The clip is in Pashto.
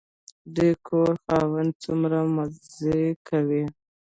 د دې کور خاوند څومره مزې کوي.